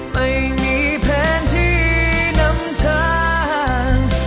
ไม่มีแผนที่นำทาง